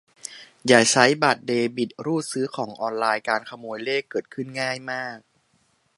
อย่าใช้บัตรเดบิตรูดซื้อของออนไลน์ การขโมยเลขเกิดขึ้นง่ายมาก